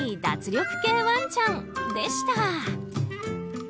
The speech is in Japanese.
脱力系ワンちゃんでした。